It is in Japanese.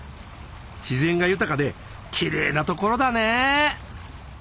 自然が豊かできれいなところだね。